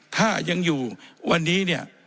ถ้ายังอยู่วันนี้เนี่ย